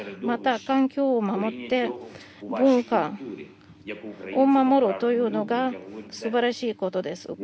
また、環境を守って文化を守るというのがすばらしいことです。